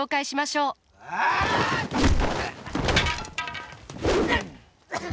うっ！